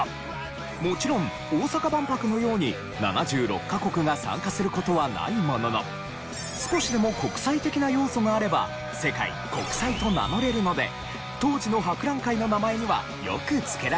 もちろん大阪万博のように７６カ国が参加する事はないものの少しでも国際的な要素があれば「世界」「国際」と名乗れるので当時の博覧会の名前にはよく付けられていました。